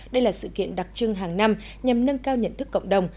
đây là sự kiện đặc trưng hàng năm nhằm nâng cao nhận thức cộng đồng